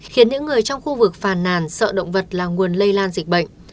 khiến những người trong khu vực phàn nàn sợ động vật là nguồn lây lan dịch bệnh